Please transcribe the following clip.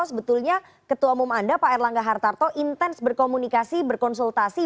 sebetulnya ketua umum anda pak erlangga hartarto intens berkomunikasi berkonsultasi